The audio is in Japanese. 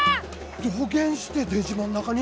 どげんして出島ん中に！？